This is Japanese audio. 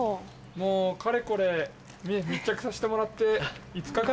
もうかれこれ密着させてもらって５日かな。